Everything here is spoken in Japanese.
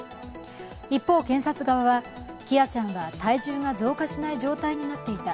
一方、検察側は喜空ちゃんは体重が増加しない状態になっていた。